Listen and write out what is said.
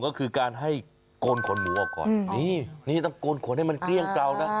ก็คือการให้โกนขนหมูออกก่อนนี่นี่ต้องโกนขนให้มันเกลี้ยงเกราวนะ